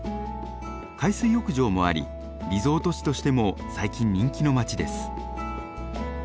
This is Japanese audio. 海水浴場もありリゾート地としても最近人気の街です。